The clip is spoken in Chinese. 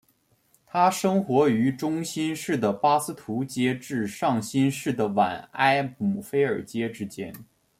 它生活于中新世的巴斯图阶至上新世的晚亥姆菲尔阶之间。